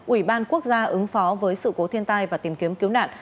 ủy ban quốc gia ứng phó với sự cố thiên tai và tìm kiếm cứu nạn